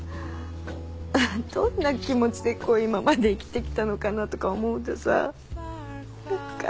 どんな気持ちでこう今まで生きてきたのかなとか思うとさ何か。